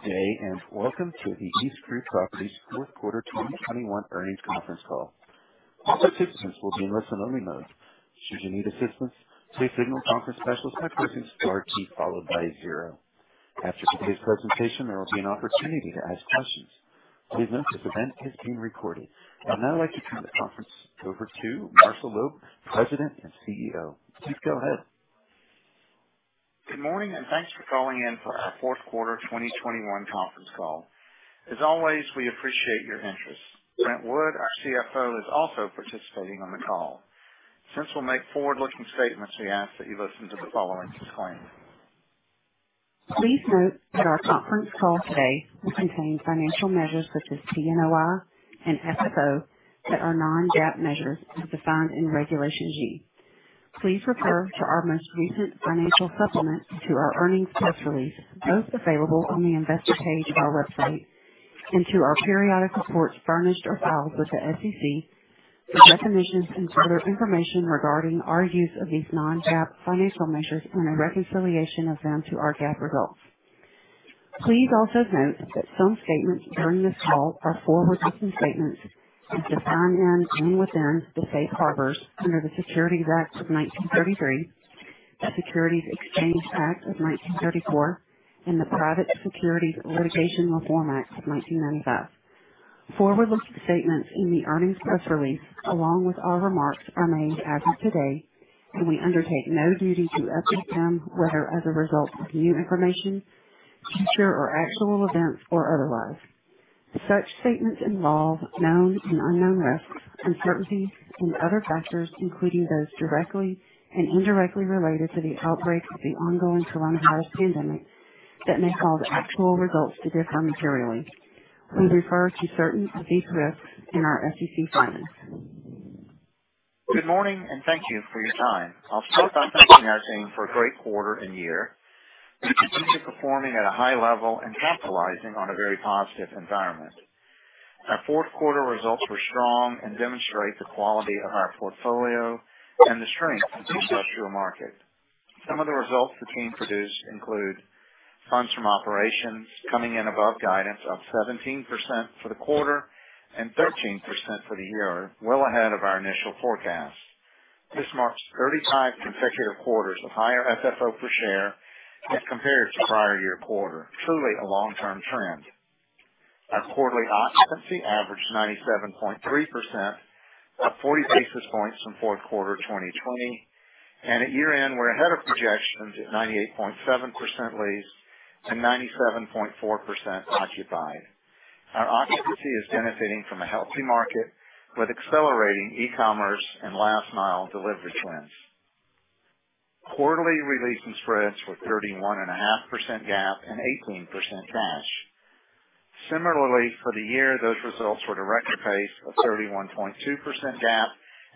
Good day, and welcome to the EastGroup Properties Fourth Quarter 2021 Earnings Conference Call. All participants will be in listen-only mode. Should you need assistance, please signal conference specialist by pressing star then zero. After today's presentation, there will be an opportunity to ask questions. Please note this event is being recorded. I'd now like to turn the conference over to Marshall Loeb, President and CEO. Please go ahead. Good morning and thanks for calling in for our fourth quarter 2021 conference call. As always, we appreciate your interest. Brent Wood, our CFO, is also participating on the call. Since we'll make forward-looking statements, we ask that you listen to the following disclaimer. Please note that our conference call today will contain financial measures such as NOI and FFO that are non-GAAP measures as defined in Regulation G. Please refer to our most recent financial supplement to our earnings press release, both available on the investor page of our website and to our periodic reports furnished or filed with the SEC for definitions and further information regarding our use of these non-GAAP financial measures and a reconciliation of them to our GAAP results. Please also note that some statements during this call are forward-looking statements as defined in the Safe Harbors under the Securities Act of 1933, the Securities Exchange Act of 1934, and the Private Securities Litigation Reform Act of 1995. Forward-looking statements in the earnings press release, along with our remarks, are made as of today, and we undertake no duty to update them, whether as a result of new information, future or actual events or otherwise. Such statements involve known and unknown risks, uncertainties, and other factors, including those directly and indirectly related to the outbreak of the ongoing coronavirus pandemic that may cause actual results to differ materially. We refer to certain of these risks in our SEC filings. Good morning and thank you for your time. I'll start by recognizing for a great quarter and year. We continue to performing at a high level and capitalizing on a very positive environment. Our fourth quarter results were strong and demonstrate the quality of our portfolio and the strength of the industrial market. Some of the results the team produced include funds from operations coming in above guidance up 17% for the quarter and 13% for the year, well ahead of our initial forecast. This marks 35 consecutive quarters of higher FFO per share as compared to prior year quarter, truly a long-term trend. Our quarterly occupancy averaged 97.3%, up 40 basis points from fourth quarter 2020. At year-end, we're ahead of projections at 98.7% leased and 97.4% occupied. Our occupancy is benefiting from a healthy market with accelerating e-commerce and last mile delivery trends. Quarterly release and spreads were 31.5% GAAP and 18% cash. Similarly, for the year, those results were at a record pace of 31.2% GAAP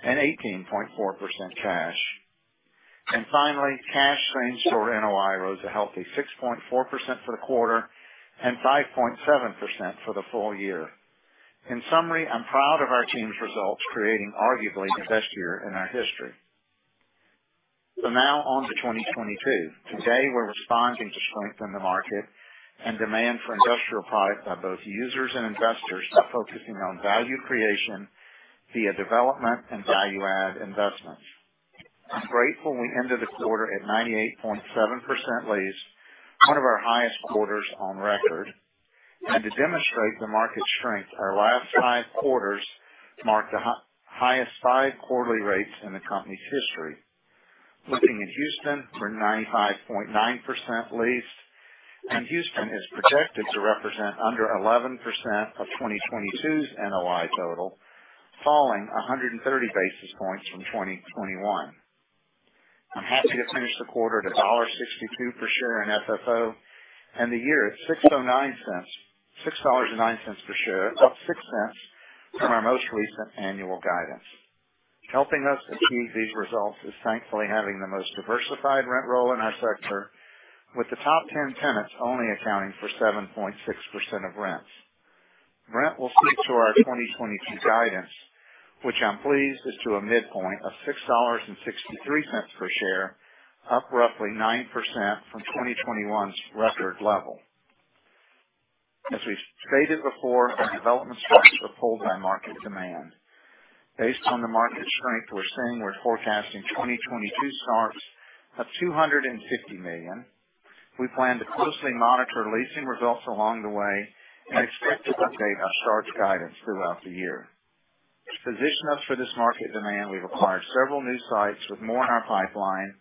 and 18.4% cash. Finally, cash streams for NOI rose a healthy 6.4% for the quarter and 5.7% for the full year. In summary, I'm proud of our team's results, creating arguably the best year in our history. Now on to 2022. Today, we're responding to strength in the market and demand for industrial product by both users and investors by focusing on value creation via development and value add investments. I'm grateful we ended the quarter at 98.7% leased, one of our highest quarters on record. To demonstrate the market strength, our last five quarters marked the highest five quarterly rates in the company's history. Looking at Houston, we're 95.9% leased, and Houston is projected to represent under 11% of 2022's NOI total, falling 130 basis points from 2021. I'm happy to finish the quarter at $1.62 per share in FFO and the year at $6.09 per share, up $0.6 from our most recent annual guidance. Helping us achieve these results is thankfully having the most diversified rent roll in our sector, with the top 10 tenants only accounting for 7.6% of rents. Brent will speak to our 2022 guidance, which I'm pleased is to a midpoint of $6.63 per share, up roughly 9% from 2021's record level. As we've stated before, our development starts are pulled by market demand. Based on the market strength we're seeing, we're forecasting 2022 starts of $250 million. We plan to closely monitor leasing results along the way and expect to update our starts guidance throughout the year. To position us for this market demand, we've acquired several new sites with more in our pipeline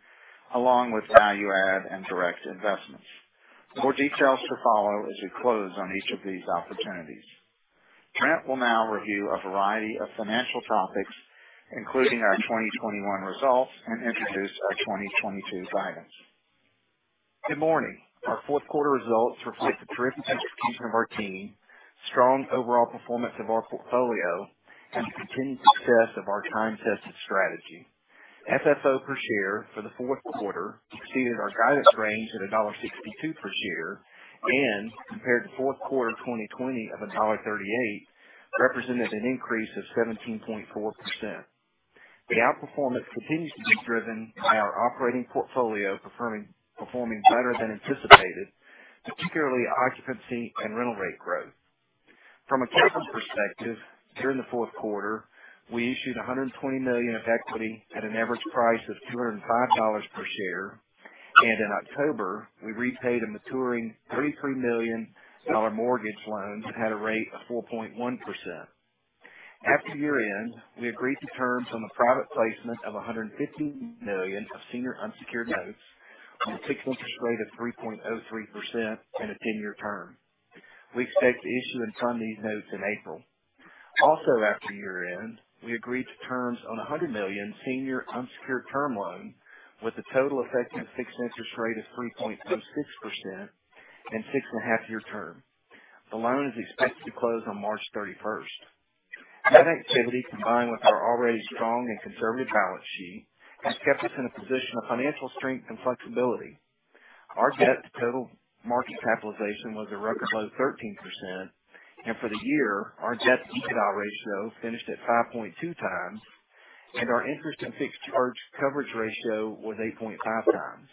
along with value add and direct investments. More details to follow as we close on each of these opportunities. Brent will now review a variety of financial topics, including our 2021 results, and introduce our 2022 guidance. Good morning. Our fourth quarter results reflect the terrific execution of our team, strong overall performance of our portfolio, and the continued success of our time-tested strategy. FFO per share for the fourth quarter exceeded our guidance range at $1.62 per share and compared to fourth quarter of 2020 of $1.38, represented an increase of 17.4%. The outperformance continues to be driven by our operating portfolio performing better than anticipated, particularly occupancy and rental rate growth. From a capital perspective, during the fourth quarter, we issued $120 million of equity at an average price of $205 per share. In October, we repaid a maturing $33 million mortgage loan that had a rate of 4.1%. At year-end, we agreed to terms on a private placement of $150 million of senior unsecured notes on a fixed interest rate of 3.3% and a 10-year term. We expect to issue and fund these notes in April. Also, after year-end, we agreed to terms on a $100 million senior unsecured term loan with a total effective fixed interest rate of 3.6% and six and half-year term. The loan is expected to close on March 31. That activity, combined with our already strong and conservative balance sheet, has kept us in a position of financial strength and flexibility. Our debt-to-total market capitalization was a record low 13%, and for the year, our debt-to-EBITDA ratio finished at 5.2x, and our interest and fixed charge coverage ratio was 8.5x.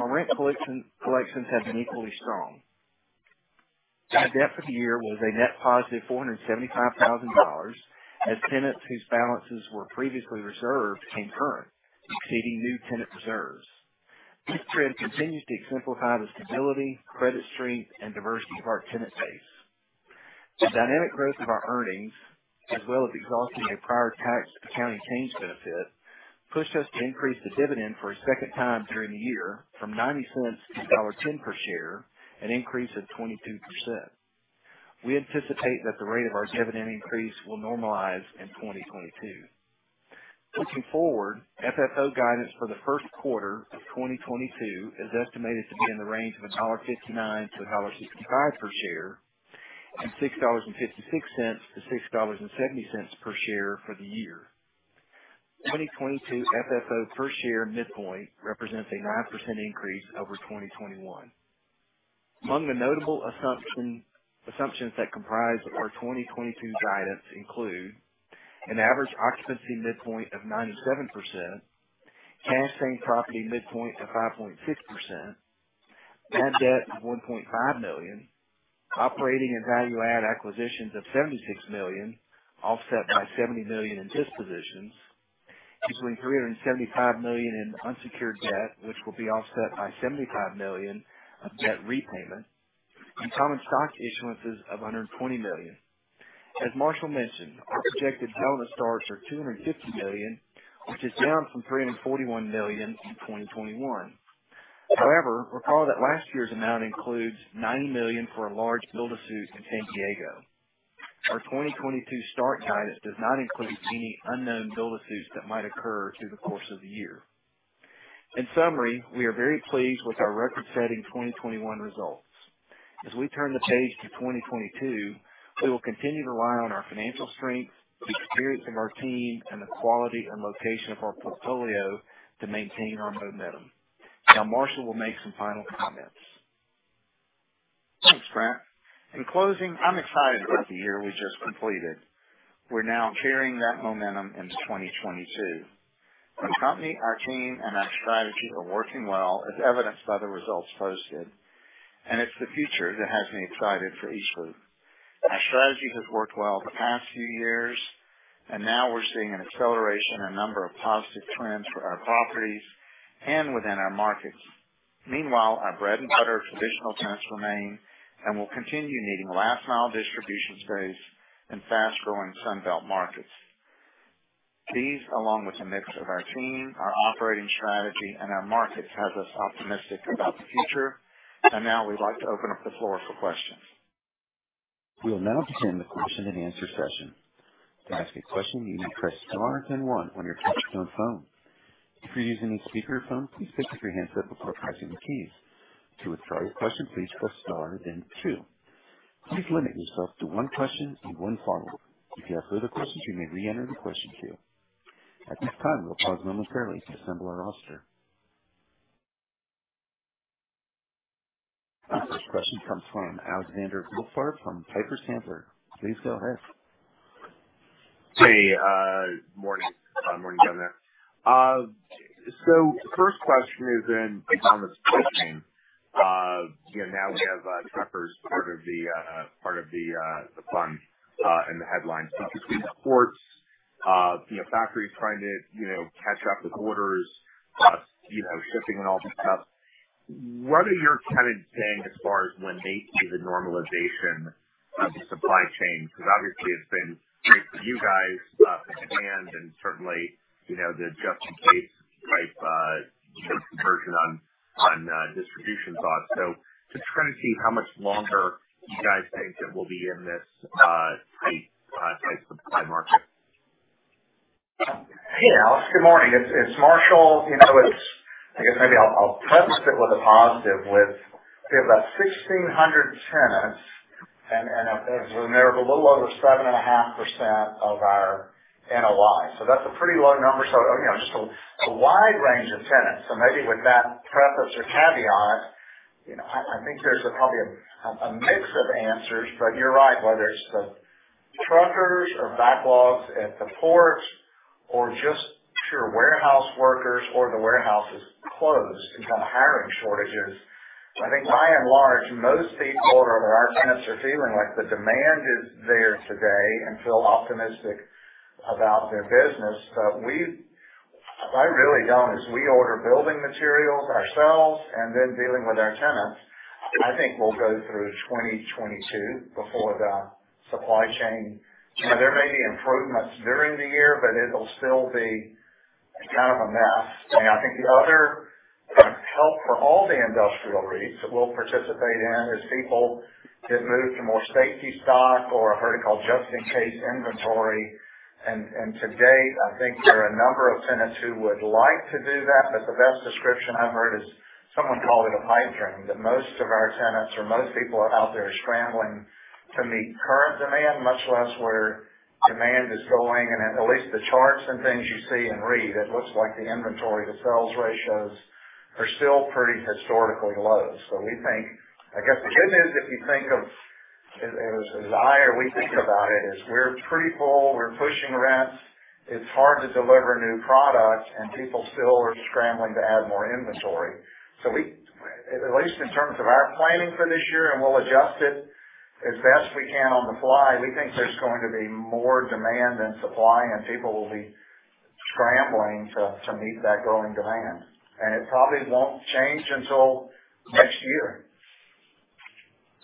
Our rent collection has been equally strong. Our debt for the year was a net +$475,000, as tenants whose balances were previously reserved came current, exceeding new tenant reserves. This trend continues to exemplify the stability, credit strength, and diversity of our tenant base. The dynamic growth of our earnings, as well as exhausting a prior tax accounting change benefit, pushed us to increase the dividend for a second time during the year from $0.90 to $1.10 per share, an increase of 22%. We anticipate that the rate of our dividend increase will normalize in 2022. Looking forward, FFO guidance for the first quarter of 2022 is estimated to be in the range of $1.59-$1.65 per share, and $6.56-$6.70 per share for the year. 2022 FFO per share midpoint represents a 9% increase over 2021. Among the notable assumptions that comprise our 2022 guidance include an average occupancy midpoint of 97%, cash same-property midpoint of 5.6%, added debt of $1.5 million, operating and value-add acquisitions of $76 million, offset by $70 million in dispositions, issuing $375 million in unsecured debt, which will be offset by $75 million of debt repayment, and common stock issuances of $120 million. As Marshall mentioned, our projected build-to-suit starts are $250 million, which is down from $341 million in 2021. However, recall that last year's amount includes $90 million for a large build-to-suit in San Diego. Our 2022 start guidance does not include any unknown build-to-suits that might occur through the course of the year. In summary, we are very pleased with our record-setting 2021 results. As we turn the page to 2022, we will continue to rely on our financial strength, the experience of our team, and the quality and location of our portfolio to maintain our momentum. Now Marshall will make some final comments. Thanks, Brent. In closing, I'm excited about the year we just completed. We're now carrying that momentum into 2022. Our company, our team, and our strategy are working well, as evidenced by the results posted. It's the future that has me excited for EastGroup. Our strategy has worked well the past few years, and now we're seeing an acceleration in a number of positive trends for our properties and within our markets. Meanwhile, our bread-and-butter traditional tenants remain, and we'll continue needing last mile distribution space in fast-growing Sun Belt markets. These, along with the mix of our team, our operating strategy, and our markets, has us optimistic about the future. Now we'd like to open up the floor for questions. We'll now begin the question-and-answer session. To ask a question, you may press star then one on your touch-tone phone. If you're using a speakerphone, please pick up your handset before pressing the keys. To withdraw your question, please press star then two. Please limit yourself to one question and one follow-up. If you have further questions, you may reenter the question queue. At this time, we'll pause momentarily to assemble our roster. Our first question comes from Alexander Goldfarb from Piper Sandler. Please go ahead. Hey, morning. Morning, gentlemen. First question is in the Thomas question. You know, now we have truckers part of the fund, and the headlines between the ports, you know, factories trying to catch up with orders, you know, shipping and all this stuff. What are you kind of saying as far as when they see the normalization of the supply chain? Because obviously it's been great for you guys in demand and certainly, you know, the just-in-case type conversion on distribution thoughts. Just trying to see how much longer you guys think that we'll be in this tight supply market. Hey, Alex. Good morning. It's Marshall. You know, I guess maybe I'll preface it with a positive with we have about 1,600 tenants and they're a little over 7.5% of our NOI. That's a pretty low number. You know, just a wide range of tenants. Maybe with that preface or caveat. You know, I think there's probably a mix of answers, but you're right, whether it's the truckers or backlogs at the ports or just pure warehouse workers or the warehouses closed because hiring shortages. I think by and large, most people or our tenants are feeling like the demand is there today and feel optimistic about their business. But we order building materials ourselves and then dealing with our tenants. I think we'll go through 2022 before the supply chain. You know, there may be improvements during the year, but it'll still be kind of a mess. I think the other help for all the industrial REITs that we'll participate in as people get moved to more safety stock or I've heard it called just in case inventory. To date, I think there are a number of tenants who would like to do that. The best description I've heard is someone called it a pipe dream that most of our tenants or most people out there are scrambling to meet current demand, much less where demand is going. At least the charts and things you see and read, it looks like the inventory to sales ratios are still pretty historically low. We think, I guess the good news if you think of it as I or we think about it, is we're pretty full, we're pushing rents, it's hard to deliver new products, and people still are scrambling to add more inventory. We, at least in terms of our planning for this year, and we'll adjust it as best we can on the fly, think there's going to be more demand than supply, and people will be scrambling to meet that growing demand. It probably won't change until next year.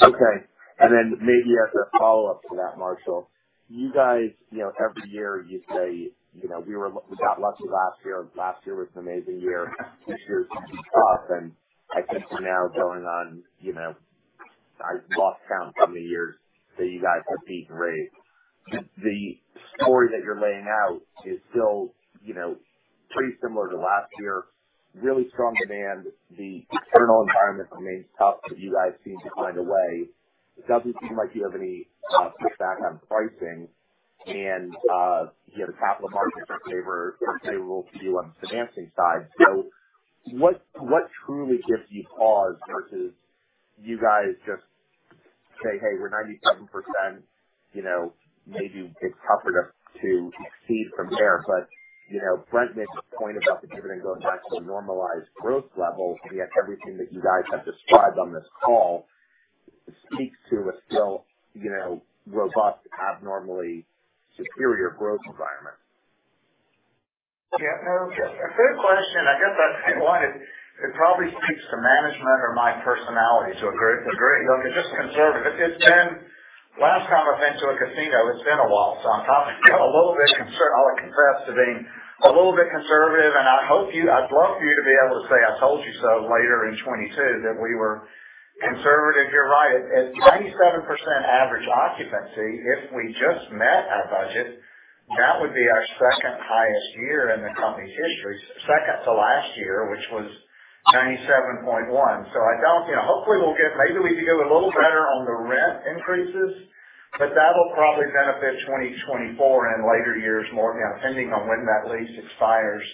Okay. Then maybe as a follow-up to that, Marshall, you guys, you know, every year you say, you know, we got lucky last year, last year was an amazing year, this year's gonna be tough. I think we're now going on, you know, I've lost count how many years that you guys have beat rates. The story that you're laying out is still, you know, pretty similar to last year, really strong demand. The external environment remains tough, but you guys seem to find a way. It doesn't seem like you have any pushback on pricing and, you know, the capital markets are favorable to you on the financing side. What truly gives you pause versus you guys just say, "Hey, we're 97%," you know, maybe it's tougher to exceed from there, you know, Brent made the point about the dividend going back to a normalized growth level. Yet everything that you guys have described on this call speaks to a still, you know, robust, abnormally superior growth environment. Yeah. No, it's a good question. It probably speaks to management or my personality to a great you know, because it's conservative. Last time I've been to a casino, it's been a while. I'm probably a little bit conservative. I'll confess to being a little bit conservative, and I hope you. I'd love for you to be able to say I told you so later in 2022 that we were conservative. You're right. At 97% average occupancy, if we just met our budget, that would be our second highest year in the company's history. Second to last year, which was 97.1%. I don't, you know, hopefully we'll get, maybe we do a little better on the rent increases, but that'll probably benefit 2024 and later years more, you know, depending on when that lease expires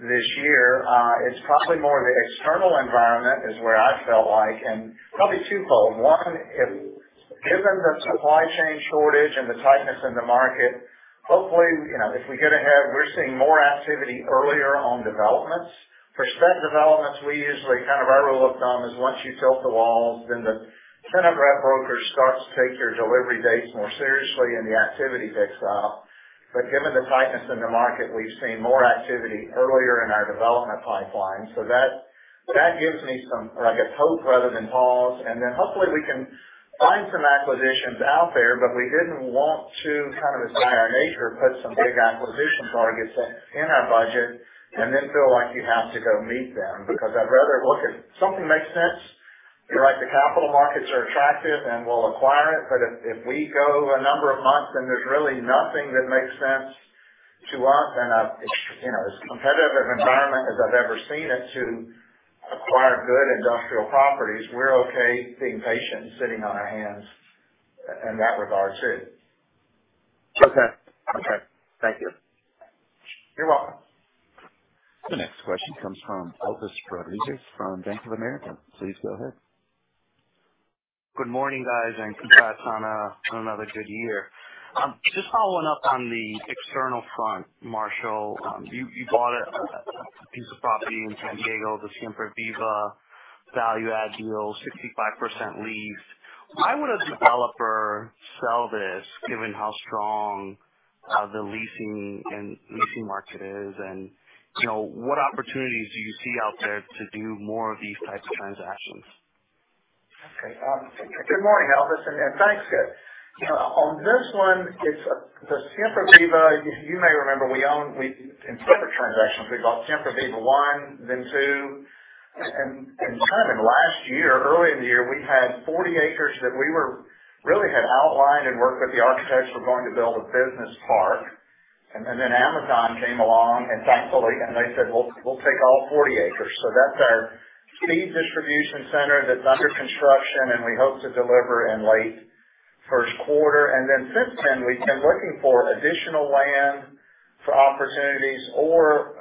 this year. It's probably more the external environment is where I felt like and probably twofold. One, given the supply chain shortage and the tightness in the market, hopefully, you know, if we get ahead, we're seeing more activity earlier on developments. For spec developments, we usually kind of our rule of thumb is once you tilt the walls, then the tenant rep broker starts to take your delivery dates more seriously and the activity picks up. But given the tightness in the market, we've seen more activity earlier in our development pipeline. So that gives me some, I guess, hope rather than pause. Hopefully we can find some acquisitions out there. We didn't want to kind of as by our nature, put some big acquisition targets in our budget and then feel like you have to go meet them because I'd rather look at something makes sense. You're right, the capital markets are attractive, and we'll acquire it. If we go a number of months and there's really nothing that makes sense to us in a, you know, as competitive an environment as I've ever seen it to acquire good industrial properties, we're okay being patient and sitting on our hands in that regard too. Okay. Okay. Thank you. You're welcome. The next question comes from Elvis Rodriguez from Bank of America. Please go ahead. Good morning, guys, and congrats on another good year. Just following up on the external front, Marshall, you bought a piece of property in San Diego, the Siempre Viva value add deal, 65% leased. Why would a developer sell this given how strong the leasing market is? You know, what opportunities do you see out there to do more of these types of transactions? Okay. Good morning, Elvis, and thanks. On this one, it's the Siempre Viva, you may remember we own in separate transactions, we bought Siempre Viva one, then two, and kind of in last year, early in the year, we had 40 acres that we really had outlined and worked with the architects. We're going to build a business park. Then Amazon came along and thankfully, and they said, "We'll take all 40 acres." So that's our spec distribution center that's under construction, and we hope to deliver in late first quarter, and then since then, we've been looking for additional land for opportunities or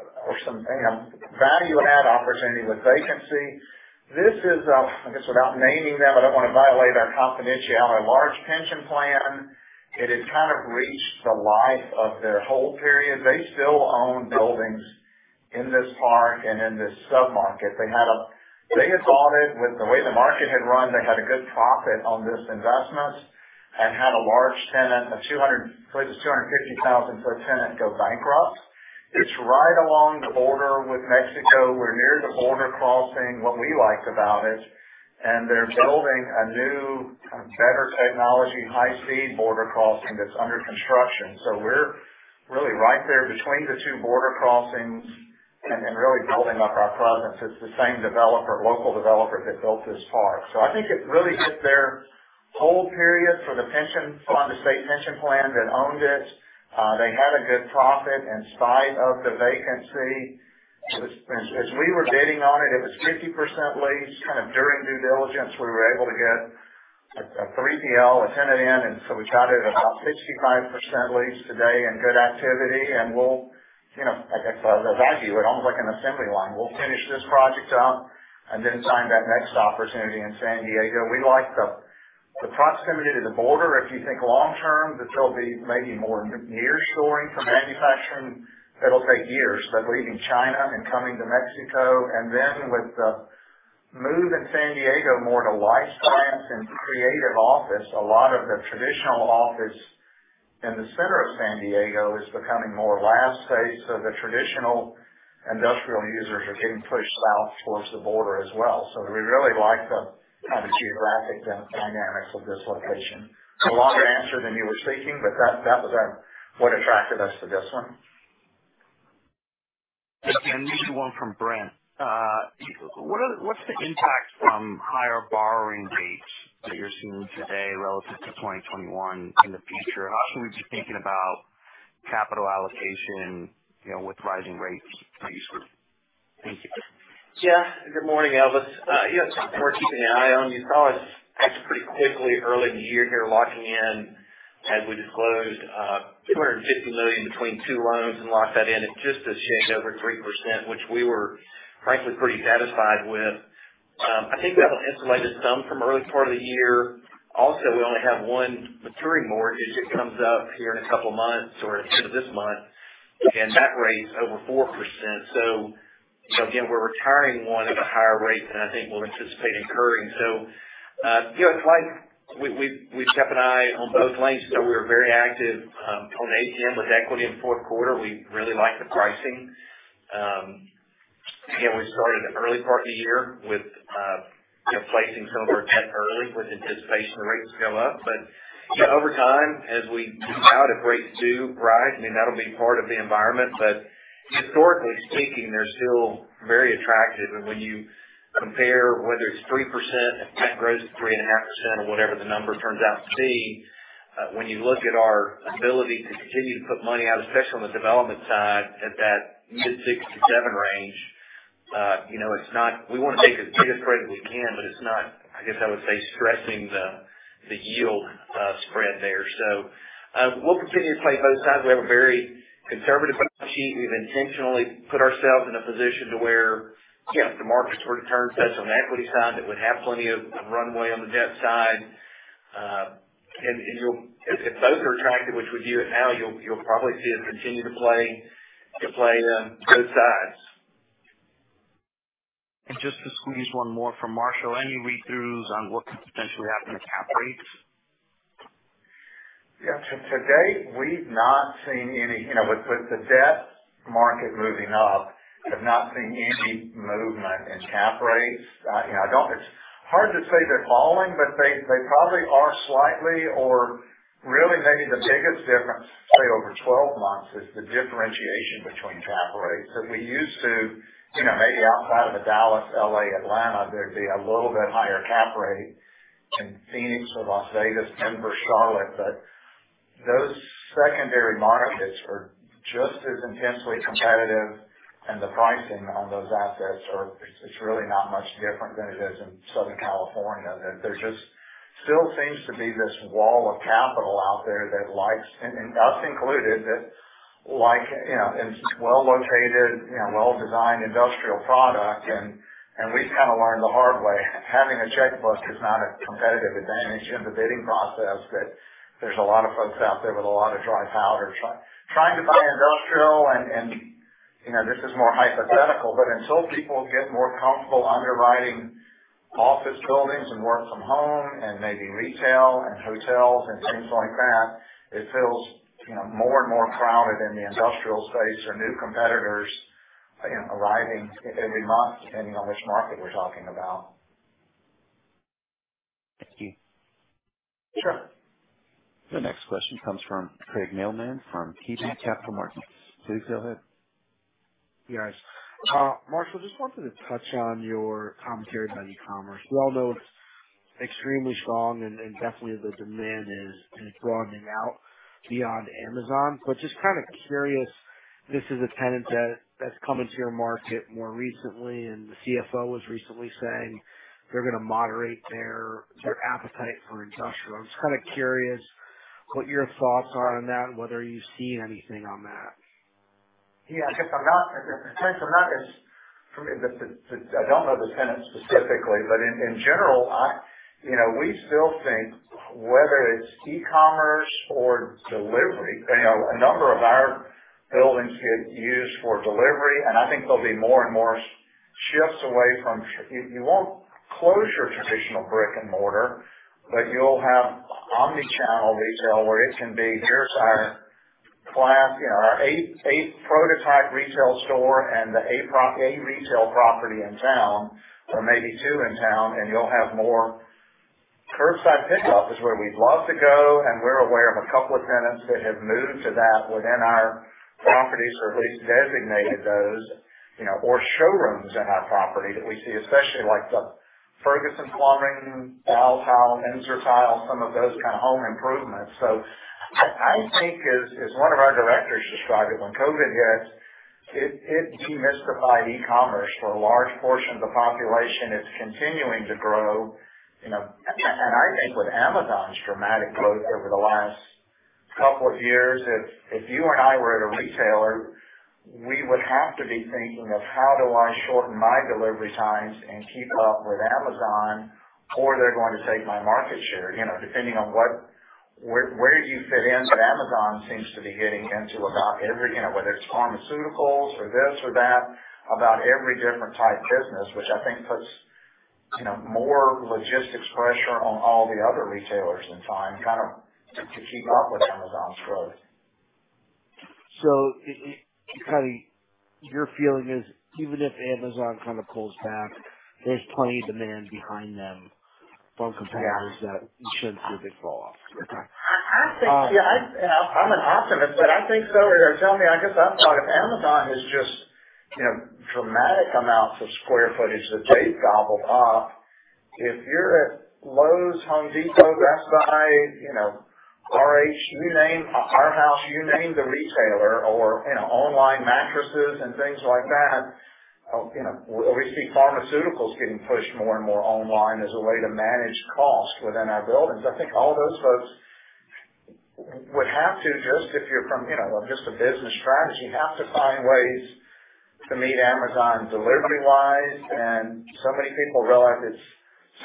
some, you know, value-add opportunity with vacancy. This is, I guess, without naming them, I don't wanna violate our confidentiality. Large pension plan. It had kind of reached the life of their hold period. They still own buildings in this park and in this sub-market. They had bought it with the way the market had run. They had a good profit on this investment and had a large tenant, a 200- probably 250,000 sq ft tenant go bankrupt. It's right along the border with Mexico. We're near the border crossing. What we liked about it, and they're building a new, kind of, better technology, high-speed border crossing that's under construction. We're really right there between the two border crossings and really building up our presence. It's the same developer, local developer that built this park. I think it really hit their hold period for the pension fund, the state pension plan that owned it. They had a good profit in spite of the vacancy. As we were bidding on it was 50% leased. Kind of during due diligence, we were able to get a 3PL, a tenant in, and so we got it about 65% leased today in good activity. We'll, you know, I guess, as I view it, almost like an assembly line. We'll finish this project up and then sign that next opportunity in San Diego. We like the proximity to the border. If you think long term, that there'll be maybe more nearshoring for manufacturing. It'll take years, but leaving China and coming to Mexico. Then with the move in San Diego, more to life science and creative office, a lot of the traditional office in the center of San Diego is becoming more lab space. The traditional industrial users are getting pushed south towards the border as well. We really like the kind of geographic dynamics of this location. It's a longer answer than you were seeking, but that was our what attracted us to this one. Maybe one from Brent. What's the impact from higher borrowing rates that you're seeing today relative to 2021 in the future? How should we be thinking about capital allocation, you know, with rising rates? Thank you. Yeah. Good morning, Elvis. It's something we're keeping an eye on. You saw us act pretty quickly early in the year here, locking in, as we disclosed, $250 million between two loans and locked that in at just a shade over 3%, which we were, frankly, pretty satisfied with. I think we have an insulated sum from early part of the year. Also, we only have one maturing mortgage that comes up here in a couple of months or at the end of this month, and that rate's over 4%. You know, again, we're retiring one at the higher rate than I think we'll anticipate incurring. You know, it's like we've kept an eye on both lanes. We were very active on ATM with equity in fourth quarter. We really like the pricing. Again, we started in the early part of the year with, you know, placing some of our debt early with anticipation the rates go up. Yeah, over time, as we doubt if rates do rise, I mean, that'll be part of the environment, but historically speaking, they're still very attractive. When you compare whether it's 3% and debt grows at 3.5% or whatever the number turns out to be, when you look at our ability to continue to put money out, especially on the development side, at that mid-6% to 7% range, you know, it's not. We wanna take as big a spread as we can, but it's not, I guess I would say, stressing the yield spread there. We'll continue to play both sides. We have a very conservative balance sheet. We've intentionally put ourselves in a position to where, you know, if the markets were to turn, say, on the equity side, that we'd have plenty of runway on the debt side. If both are attractive, which we view it now, you'll probably see us continue to play both sides. Just to squeeze one more from Marshall. Any read-throughs on what could potentially happen to cap rates? Yeah. To date, we've not seen any. You know, with the debt market moving up, we've not seen any movement in cap rates. You know, it's hard to say they're following, but they probably are slightly or really maybe the biggest difference, say, over 12 months, is the differentiation between cap rates. We used to, you know, maybe outside of the Dallas, L.A., Atlanta, there'd be a little bit higher cap rate. In Phoenix or Las Vegas, Denver, Charlotte. But those secondary markets are just as intensely competitive, and the pricing on those assets are. It's really not much different than it is in Southern California. That there just still seems to be this wall of capital out there that likes, and us included, that like, you know, it's well-located, you know, well-designed industrial product. We've kind of learned the hard way. Having a checkbook is not a competitive advantage in the bidding process, that there's a lot of folks out there with a lot of dry powder trying to buy industrial. You know, this is more hypothetical, but until people get more comfortable underwriting office buildings and work from home and maybe retail and hotels and things like that, it feels, you know, more and more crowded in the industrial space or new competitors, you know, arriving every month, depending on which market we're talking about. Thank you. Sure. The next question comes from Craig Mailman from KeyBanc Capital Markets. Please go ahead. Yes. Marshall, just wanted to touch on your commentary about e-commerce. We all know it's extremely strong and definitely the demand is broadening out beyond Amazon. Just kind of curious, this is a tenant that's come into your market more recently, and the CFO was recently saying they're gonna moderate their appetite for industrial. I'm just kind of curious what your thoughts are on that and whether you've seen anything on that. I don't know the tenant specifically, but in general, you know, we still think whether it's e-commerce or delivery, you know, a number of our buildings get used for delivery. I think there'll be more and more shifts away from traditional. You won't close your traditional brick-and-mortar, but you'll have omni-channel retail where it can be, here's our class, you know, our eight prototype retail store and a retail property in town or maybe two in town, and you'll have more curbside pickup, which is where we'd love to go. We're aware of a couple of tenants that have moved to that within our properties, or at least designated those, you know, or showrooms in our property that we see especially like the Ferguson, Tile Town, Emser Tile, some of those kind of home improvements. I think as one of our directors described it, when COVID hit, it demystified e-commerce for a large portion of the population. It's continuing to grow, you know. I think with Amazon's dramatic growth over the last couple of years, if you and I were at a retailer, we would have to be thinking of how do I shorten my delivery times and keep up with Amazon, or they're going to take my market share. You know, depending on where you fit in, but Amazon seems to be getting into about every, you know, whether it's pharmaceuticals or this or that, about every different type business, which I think puts, you know, more logistics pressure on all the other retailers in time, kind of to keep up with Amazon's growth. Kinda your feeling is even if Amazon kind of pulls back, there's plenty of demand behind them from competitors. Yeah. That you shouldn't see a big fall off. I think, yeah, I'm an optimist, but I think so. You're telling me, I guess I thought if Amazon is just, you know, dramatic amounts of square footage that they've gobbled up. If you're at Lowe's, Home Depot, Best Buy, you know, RH, you name Arhaus, you name the retailer or, you know, online mattresses and things like that, you know. We see pharmaceuticals getting pushed more and more online as a way to manage cost within our buildings. I think all those folks would have to, just if you're from, you know, just a business strategy, have to find ways to meet Amazon delivery-wise. Many people realize it's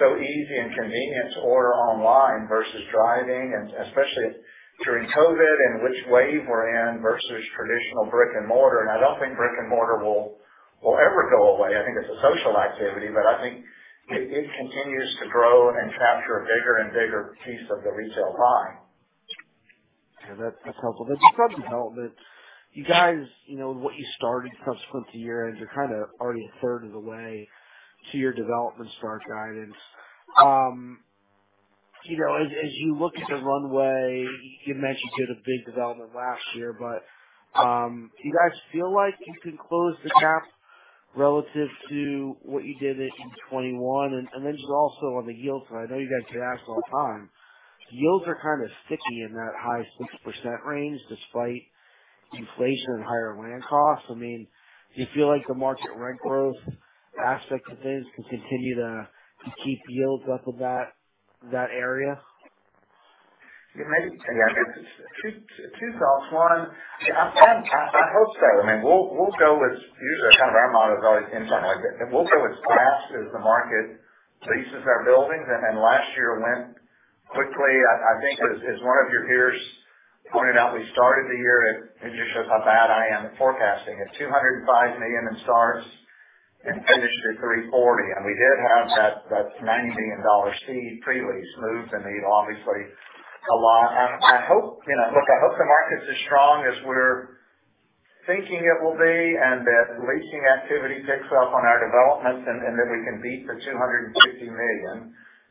so easy and convenient to order online versus driving, especially during COVID and which wave we're in versus traditional brick-and-mortar. I don't think brick-and-mortar will ever go away. I think it's a social activity, but I think it continues to grow and capture a bigger and bigger piece of the retail pie. Yeah, that's helpful. There's some development. You guys, you know what you started subsequent to year-end, you're kind of already a third of the way to your development start guidance. You know, as you look at the runway, you mentioned you had a big development last year, but do you guys feel like you can close the gap relative to what you did in 2021? Then just also on the yields, I know you guys get asked all the time. Yields are kind of sticky in that high 6% range despite inflation and higher land costs. I mean, do you feel like the market rent growth aspect of things can continue to keep yields up at that area? Yeah, maybe. Yeah, I guess it's two thoughts. One, I hope so. I mean, we'll go usually kind of our motto is always in something like that. We'll go as fast as the market leases our buildings, and last year went quickly. I think as one of your peers pointed out, we started the year at $205 million in starts and finished at $340 million. It just shows how bad I am at forecasting. We did have that $90 million seed pre-lease moved, and we've obviously a lot. I hope, you know. Look, I hope the market's as strong as we're thinking it will be, and that leasing activity picks up on our developments, and that we can beat the $250 million.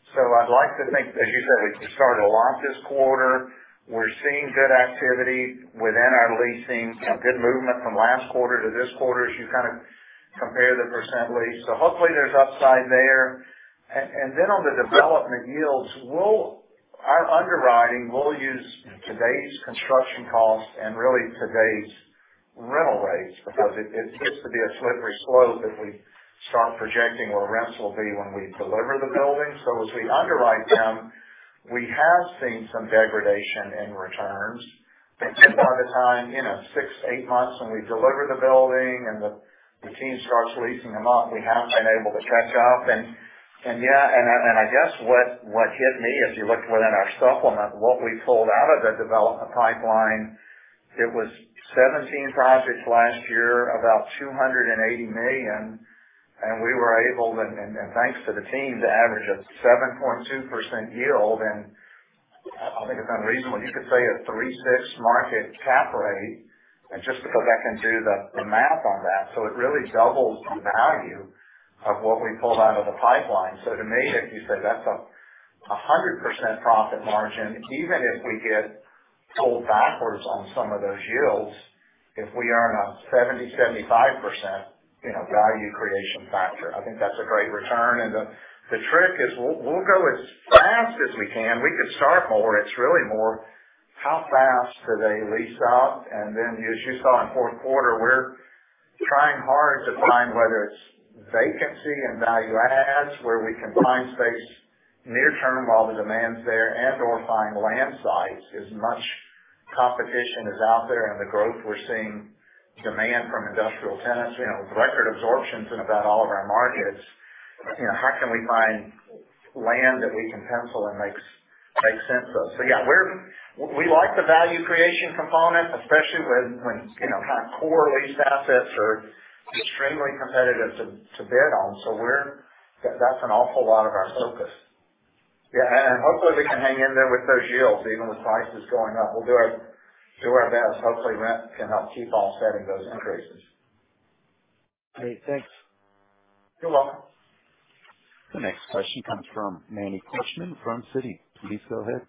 I'd like to think, as you said, we started a lot this quarter. We're seeing good activity within our leasing. You know, good movement from last quarter to this quarter as you kind of compare the percent leased. Hopefully there's upside there. And then on the development yields, our underwriting, we'll use today's construction costs and really today's rental rates because it tends to be a slippery slope if we start projecting what rents will be when we deliver the building. As we underwrite them, we have seen some degradation in returns. But by the time, you know, six to eight months when we deliver the building and the team starts leasing them up, we have been able to catch up. Yeah, I guess what hit me as you look within our supplement, what we pulled out of the development pipeline, it was 17 projects last year, about $280 million, and we were able, thanks to the team, to average a 7.2% yield. I think it's unreasonable. You could say a 3.6% cap rate and just because I can do the math on that. It really doubles the value of what we pulled out of the pipeline. To me, if you say that's a 100% profit margin, even if we get pulled backwards on some of those yields, if we earn a 70%-75%, you know, value creation factor, I think that's a great return. The trick is we'll go as fast as we can. We could start more. It's really more how fast do they lease out? Then as you saw in fourth quarter, we're trying hard to find whether it's vacancy and value adds, where we can find space near-term while the demand's there and/or find land sites. As much competition is out there and the growth we're seeing demand from industrial tenants, you know, record absorptions in about all of our markets. You know, how can we find land that we can pencil and makes sense though. So yeah, we like the value creation component, especially when, you know, kind of core leased assets are extremely competitive to bid on. So that's an awful lot of our focus. Yeah, and hopefully we can hang in there with those yields even with prices going up. We'll do our best. Hopefully, rent can help keep offsetting those increases. Great. Thanks. You're welcome. The next question comes from Manny Korchman from Citi. Please go ahead.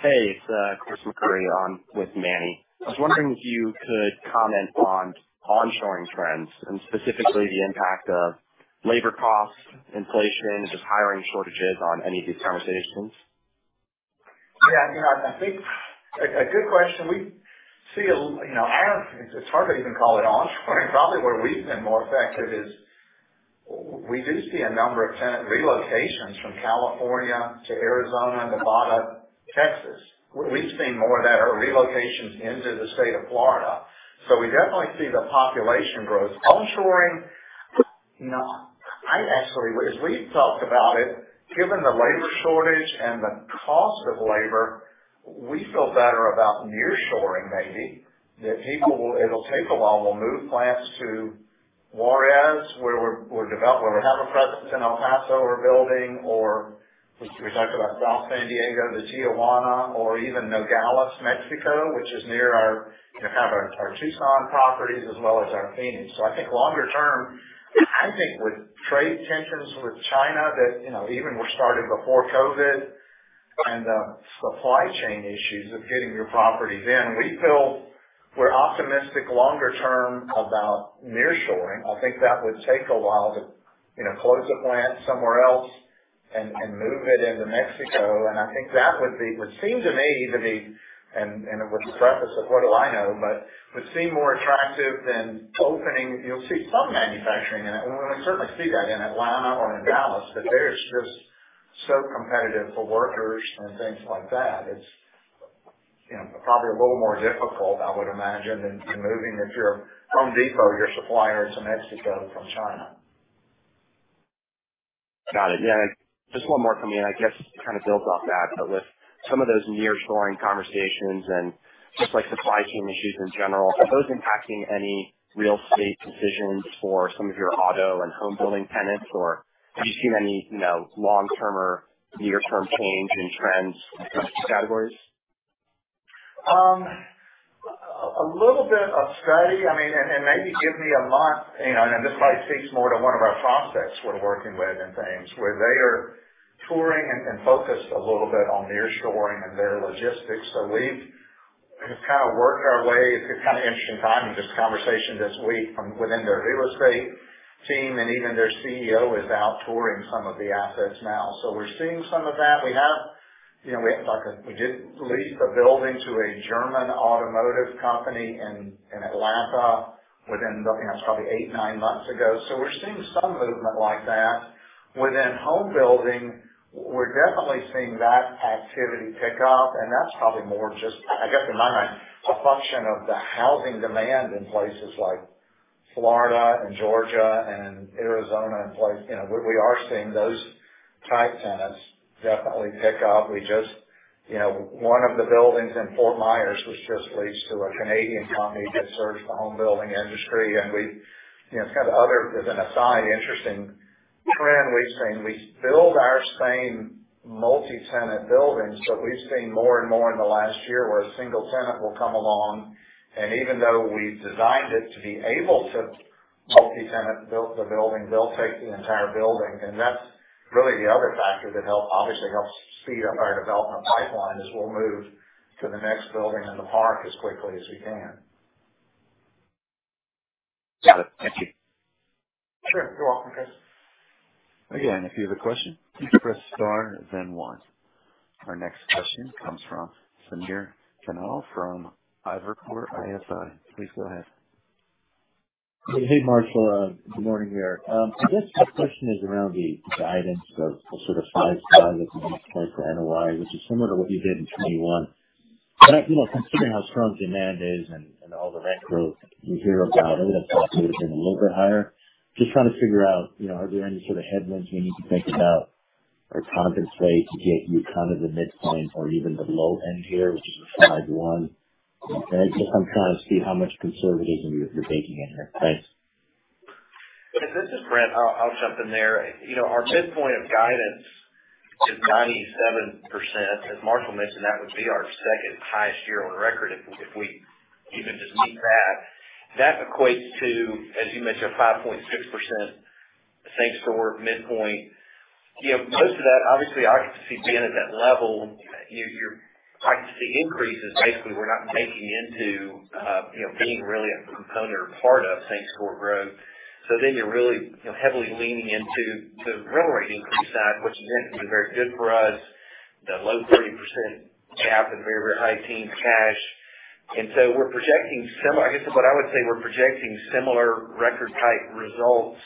Hey, it's Chris McCurry on with Manny. I was wondering if you could comment on onshoring trends and specifically the impact of labor costs, inflation, just hiring shortages on any of these conversations. Yeah, you know, I think a good question. We see a, you know, it's hard to even call it onshoring. Probably where we've been more effective is we do see a number of tenant relocations from California to Arizona, Nevada, Texas. We've seen more of that or relocations into the state of Florida. We definitely see the population growth. Onshoring, no. I actually, as we've talked about it, given the labor shortage and the cost of labor, we feel better about nearshoring maybe. That people will. It'll take a while. We'll move plants to Juárez, where we have a presence in El Paso, we're building or we talked about South San Diego to Tijuana or even Nogales, Mexico, which is near our, you know, kind of our Tucson properties as well as our Phoenix. I think longer term, I think with trade tensions with China that, you know, even were started before COVID and the supply chain issues of getting your product in, we feel we're optimistic longer term about nearshoring. I think that would take a while to, you know, close a plant somewhere else and move it into Mexico. I think that would be. It would seem to me to be, with the preface of what do I know, but would seem more attractive than opening. You'll see some manufacturing, and we certainly see that in Atlanta or in Dallas, but there's just so much competition for workers and things like that. It's, you know, probably a little more difficult, I would imagine, than moving if you're Home Depot, your supplier is in Mexico from China. Got it. Yeah. Just one more from me, and I guess kind of builds off that, but with some of those nearshoring conversations and just like supply chain issues in general, are those impacting any real estate decisions for some of your auto and home building tenants, or have you seen any, you know, long-term or near-term change in trends in those two categories? A little bit of study. I mean, maybe give me a month, you know, and this probably speaks more to one of our prospects we're working with and things where they are touring and focused a little bit on nearshoring and their logistics. We've kind of worked our way. It's a kind of interesting timing, this conversation this week from within their real estate team, and even their CEO is out touring some of the assets now. We're seeing some of that. You know, we have talked. We did lease a building to a German automotive company in Atlanta within, I think that's probably eight to nine months ago. We're seeing some movement like that. Within home building, we're definitely seeing that activity pick up, and that's probably more just, I guess, in my mind, a function of the housing demand in places like Florida and Georgia and Arizona. You know, we are seeing those type tenants definitely pick up. We just, you know, one of the buildings in Fort Myers was just leased to a Canadian company that serves the home building industry. You know, it's kind of, as an aside, interesting trend we've seen. We build our same multi-tenant buildings, but we've seen more and more in the last year where a single tenant will come along, and even though we've designed it to be a multi-tenant building, they'll take the entire building. That's really the other factor that obviously helps speed up our development pipeline. We'll move to the next building in the park as quickly as we can. Got it. Thank you. Sure. You're welcome, Chris. Again, if you have a question, please press star then one. Our next question comes from Samir Khanal from Evercore ISI. Please go ahead. Hey, Marshall. Good morning, there. I guess my question is around the guidance of sort of 5% looking like the NOI, which is similar to what you did in 2021. You know, considering how strong demand is and all the rent growth we hear about, I would've thought it would've been a little bit higher. Just trying to figure out, you know, are there any sort of headwinds we need to think about or compensate to get you kind of the midpoint or even the low end here, which is 5.1%? I'm trying to see how much conservatism you're baking in here. Thanks. This is Brent. I'll jump in there. You know, our midpoint of guidance is 97%. As Marshall mentioned, that would be our second highest year on record if we even just meet that. That equates to, as you mentioned, 5.6% same-store midpoint. You know, most of that, obviously, occupancy being at that level, occupancy increase is basically we're not baking into you know being really a component or part of same-store growth. You're really, you know, heavily leaning into the rent increase side, which has been very good for us, the low 30% cap and very high-teen cash. We're projecting similar record-type results. I guess what I would say, we're projecting similar record-type results.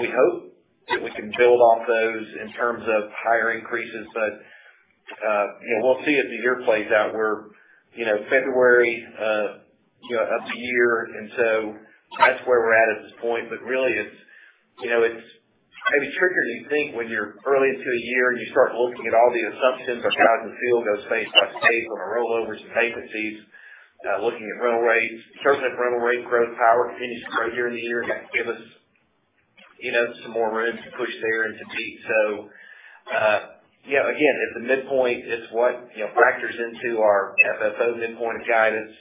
We hope that we can build off those in terms of higher increases. You know, we'll see as the year plays out. We're in, you know, February, you know, of the year, and that's where we're at this point. Really, it's, you know, it's maybe trickier than you think when you're early into the year, and you start looking at all the assumptions of how does it feel going state by state on our rollovers and vacancies, looking at rental rates. Certainly, if rental rate growth, however, continues to grow during the year, that can give us, you know, some more room to push there and to beat. You know, again, at the midpoint, it's what, you know, factors into our FFO midpoint guidance.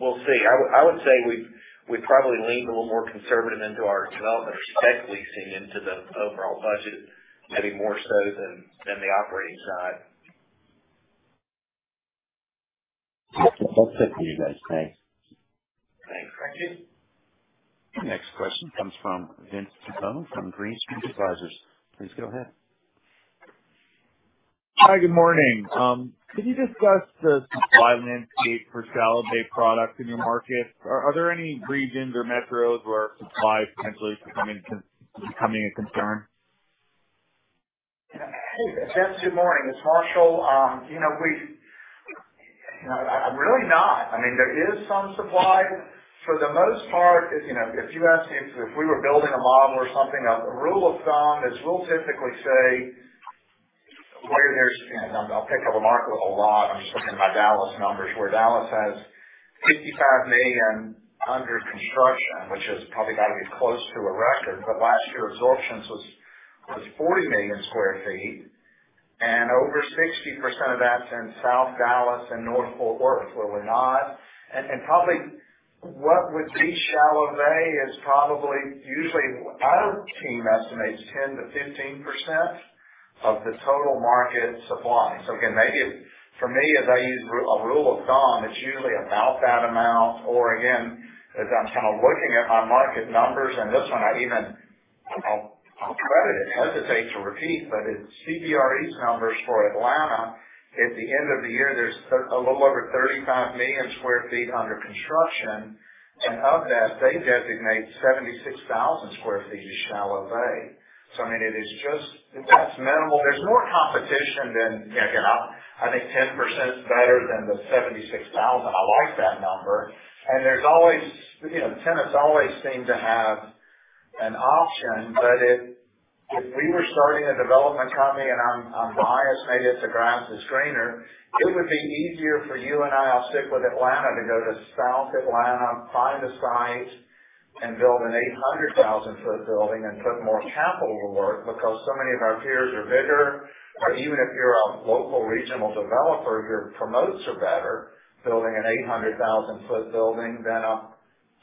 We'll see. I would say we've probably leaned a little more conservative into our development respect leasing into the overall budget, maybe more so than the operating side. That's it from you guys. Thanks. Thanks, Samir. The next question comes from Vince Tibone from Green Street Advisors. Please go ahead. Hi, good morning. Could you discuss the supply landscape for shallow bay products in your market? Are there any regions or metros where supply is potentially becoming a concern? Hey, Vince. Good morning. It's Marshall. You know, really not. I mean, there is some supply. For the most part, you know, if you ask if we were building a model or something, a rule of thumb is we'll typically say where there's, and I'll pick on the market a lot. I'm just looking at my Dallas numbers, where Dallas has 55 million under construction, which has probably got to be close to a record. Last year's absorption was 40 million sq ft and over 60% of that's in South Dallas and North Fort Worth, where we're not. Probably what would be shallow bay is probably usually our team estimates 10%-15% of the total market supply. Again, maybe for me, as I use a rule of thumb, it's usually about that amount. Again, as I'm kind of looking at my market numbers and this one I even, I'll credit it, hesitate to repeat, but it's CBRE's numbers for Atlanta. At the end of the year, there's a little over 35 million sq ft under construction. Of that, they designate 76,000 sq ft as shallow bay. I mean, it is just. That's minimal. There's more competition than, you know, again, I think 10%'s better than the 76,000. I like that number. There's always. You know, tenants always seem to have an option. If we were starting a development company and I'm biased, maybe it's the grass is greener, it would be easier for you and I. I'll stick with Atlanta, to go to South Atlanta, find a site, and build an 800,000 sq ft building and put more capital to work because so many of our peers are bigger. Even if you're a local regional developer, your promotes are better building an 800,000 sq ft building than a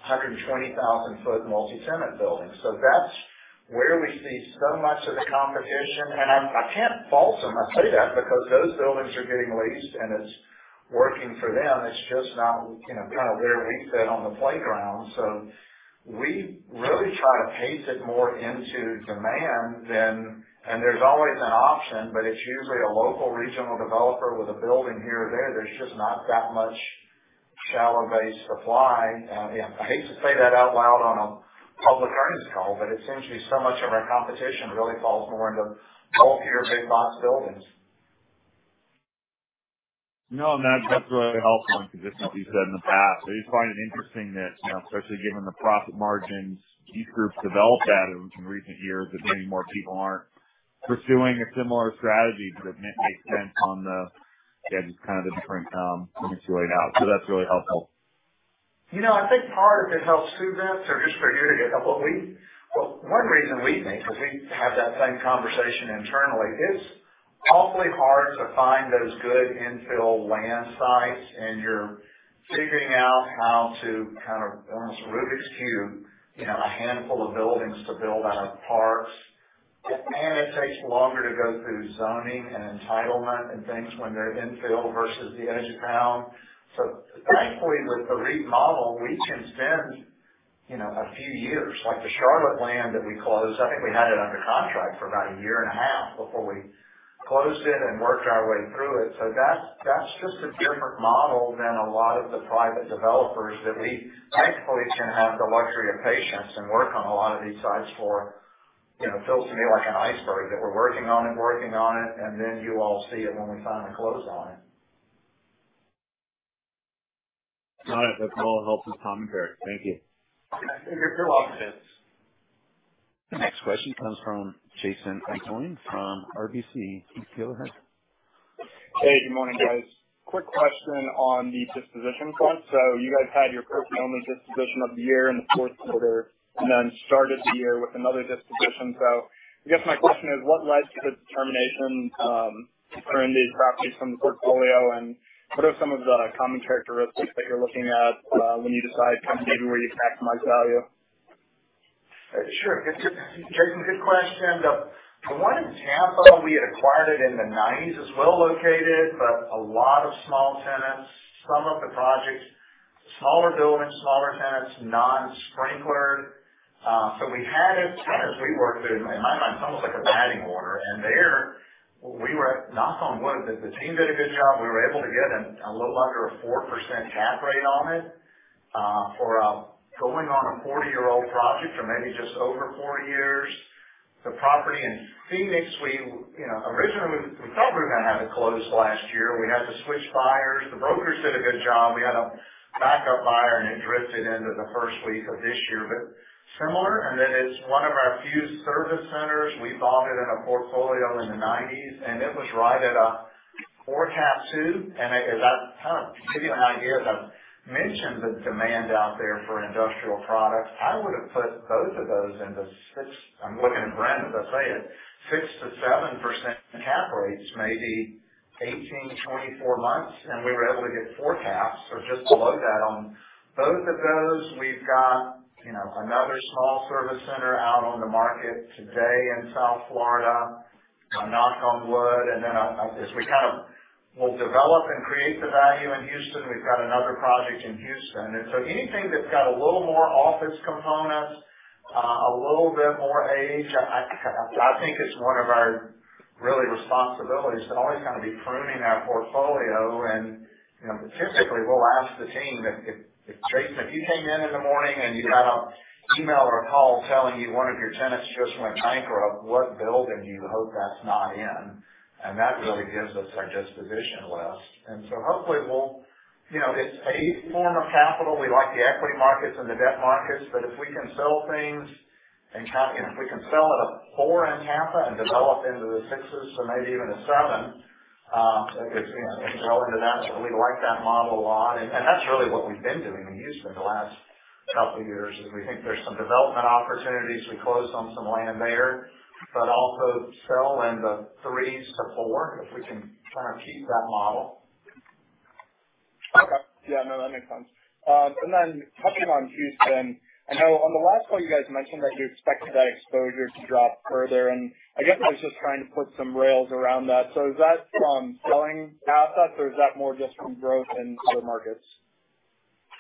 120,000 sq ft multi-tenant building. That's where we see so much of the competition. I can't fault them. I say that because those buildings are getting leased, and it's working for them. It's just not, you know, kind of where he said on the playground. We really try to pace it more into demand than, there's always an option, but it's usually a local regional developer with a building here or there. There's just not that much shallow bay supply. You know, I hate to say that out loud on a public earnings call, but it seems to be so much of our competition really falls more into bulkier big box buildings. No, Marshall Loeb, that's really helpful because it's something you've said in the past. I just find it interesting that, you know, especially given the profit margins these groups develop at in recent years, that many more people aren't pursuing a similar strategy because it makes sense on the, again, just kind of the different returns right now. That's really helpful. You know, I think part of it helps too, Vince, or just for you to get a couple of leads. Well, one reason we think, because we have that same conversation internally, it's awfully hard to find those good infill land sites, and you're figuring out how to kind of almost Rubik's Cube, you know, a handful of buildings to build out of parts. And it takes longer to go through zoning and entitlement and things when they're infill versus the edge of town. Thankfully, with the REIT model, we can spend, you know, a few years. Like the Charlotte land that we closed, I think we had it under contract for about a year and a half before we closed it and worked our way through it. That's just a different model than a lot of the private developers that we thankfully can have the luxury of patience and work on a lot of these sites for. You know, it feels to me like an iceberg that we're working on it, working on it, and then you all see it when we finally close on it. All right. That's all helpful commentary. Thank you. You're welcome, Vince. The next question comes from Jason Idoine from RBC. Please go ahead. Hey, good morning, guys. Quick question on the disposition front. You guys had your pro forma disposition of the year in the fourth quarter and then started the year with another disposition. I guess my question is, what led to the determination to bring these properties from the portfolio, and what are some of the common characteristics that you're looking at when you decide maybe where you maximize value? Sure. Jason, good question. The one in Tampa we had acquired it in the 1990s. It's well located, but a lot of small tenants. Some of the projects. Smaller buildings, smaller tenants, non-sprinklered. So we had as tenants we worked with. In my mind, it's almost like a padding order. There we were knock on wood, the team did a good job. We were able to get a little under a 4% cap rate on it for going on a 40-year-old project or maybe just over 40 years. The property in Phoenix, you know, originally we thought we were gonna have it closed last year. We had to switch buyers. The brokers did a good job. We had a backup buyer, and it drifted into the first week of this year, but similar. It's one of our few service centers. We bought it in a portfolio in the 1990s, and it was right at a four cap too. That kind of gives you an idea of the immense demand out there for industrial products. I would've put both of those into 6%-7% cap rates. I'm looking at Brent as I say it. Maybe 18-24 months, and we were able to get four caps or just below that on both of those. We've got, you know, another small service center out on the market today in South Florida. Knock on wood. As we'll develop and create the value in Houston, we've got another project in Houston. Anything that's got a little more office component, a little bit more age, I think it's one of our real responsibilities to always kind of be pruning our portfolio. Typically, we'll ask the team if Jason, if you came in in the morning and you had an email or a call telling you one of your tenants just went bankrupt, what building do you hope that's not in? That really gives us our disposition list. Hopefully we'll. You know, it's a form of capital. We like the equity markets and the debt markets, but if we can sell things and if we can sell at a four in Tampa and develop into the 6%s or maybe even a 7%, it's, you know, it's relative to that. We like that model a lot. That's really what we've been doing in Houston the last couple years, is we think there's some development opportunities. We closed on some land there, but also sell in the 3%-4%, if we can kind of keep that model. Okay. Yeah, no, that makes sense. Touching on Houston, I know on the last call you guys mentioned that you expected that exposure to drop further, and I guess I was just trying to put some rails around that. Is that from selling assets or is that more just from growth in other markets?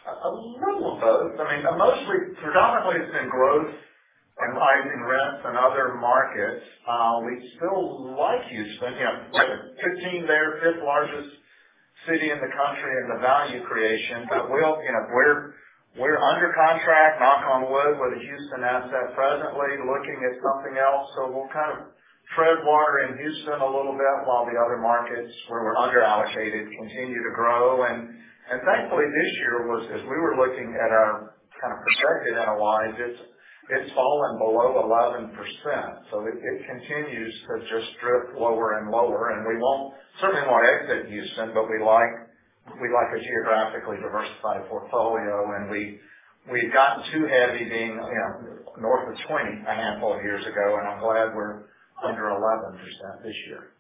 A little of both. I mean, predominantly it's been growth and rising rents in other markets. We still like Houston. You know, ranked 15 there, fifth largest city in the country in the value creation. We'll, you know, we're under contract, knock on wood, with a Houston asset presently looking at something else. We'll kind of tread water in Houston a little bit while the other markets where we're under-allocated continue to grow. Thankfully this year was as we were looking at our kind of prospective NOI, just it's fallen below 11%. It continues to just drift lower and lower. We won't certainly wanna exit Houston, but we like a geographically diversified portfolio. We'd gotten too heavy, being, you know, north of 20 a handful of years ago, and I'm glad we're under 11% this year.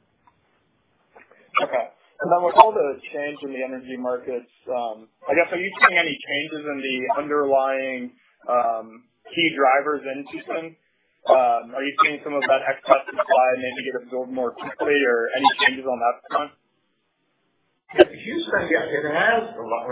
Okay. With all the change in the energy markets, I guess, are you seeing any changes in the underlying, key drivers in Houston? Are you seeing some of that excess supply maybe get absorbed more quickly or any changes on that front? Houston, yeah, it has a lot.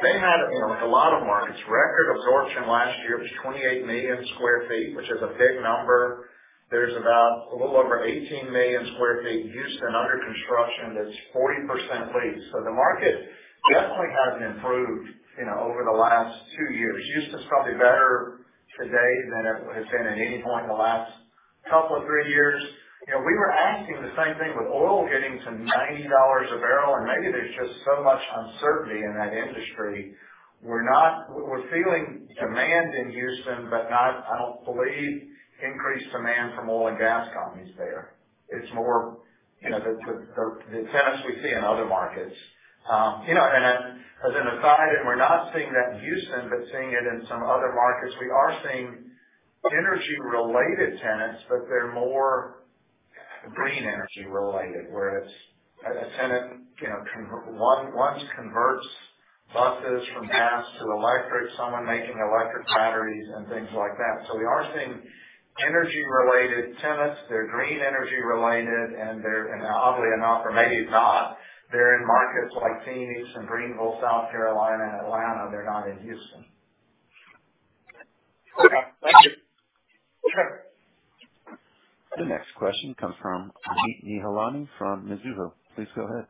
They had, you know, like a lot of markets, record absorption last year. It was 28 million sq ft, which is a big number. There's about a little over 18 million sq ft Houston under construction that's 40% leased. The market definitely has improved, you know, over the last two years. Houston's probably better today than it has been at any point in the last couple of three years. You know, we were asking the same thing with oil getting to $90 a barrel, and maybe there's just so much uncertainty in that industry. We're feeling demand in Houston, but not, I don't believe, increased demand from oil and gas companies there. It's more, you know, the tenants we see in other markets. You know, as an aside, we're not seeing that in Houston, but seeing it in some other markets, we are seeing energy-related tenants, but they're more green energy related, where it's a tenant, you know, one converts buses from gas to electric, someone making electric batteries and things like that. We are seeing energy-related tenants. They're green energy related, and they're in markets like Phoenix and Greenville, South Carolina, and Atlanta. They're not in Houston. Okay. Thank you. Sure. The next question comes from Amit Nihalani from Mizuho. Please go ahead.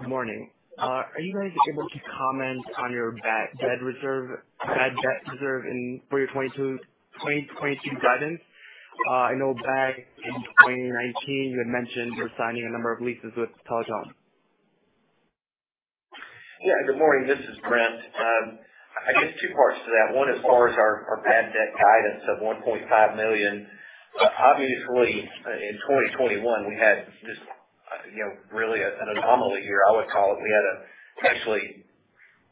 Good morning. Are you guys able to comment on your bad debt reserve for your 2022 guidance? I know back in 2019, you had mentioned you're signing a number of leases with Peloton. Good morning. This is Brent. I guess two parts to that. One is as far as our bad debt guidance of $1.5 million. Obviously, in 2021, we had just, you know, really an anomaly year, I would call it. We had actually